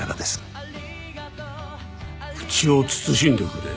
口を慎んでくれ。